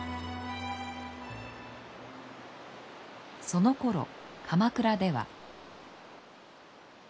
そのころ鎌倉では。